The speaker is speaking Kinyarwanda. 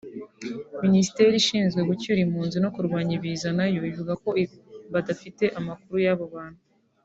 Minisiteri ishinzwe gucyura impunzi no kurwanya ibiza nayo ivuga ko badafite amakuru y’abo bantu